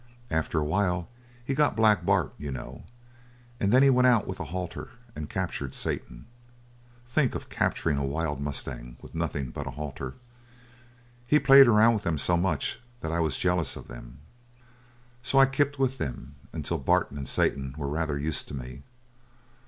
After a while he got Black Bart, you know, and then he went out with a halter and captured Satan. Think of capturing a wild mustang with nothing but a halter! He played around with them so much that I was jealous of them. So I kept with them until Bart and Satan were rather used to me.